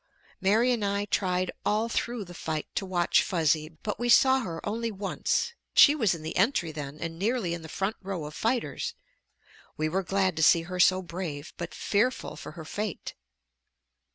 Mary and I tried all through the fight to watch Fuzzy. But we saw her only once; she was in the entry then and nearly in the front row of fighters. We were glad to see her so brave, but fearful for her fate.